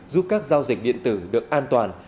giúp các giao dịch điện tử được an toàn